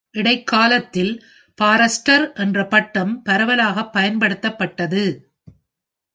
இடைக்காலத்தில் ஃபாரஸ்டர் என்ற பட்டம் பரவலாக பயன்படுத்தப்பட்டது.